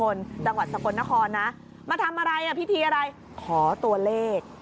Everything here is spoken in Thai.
จังหวัดสกลนครนะมาทำอะไรอ่ะพิธีอะไรขอตัวเลข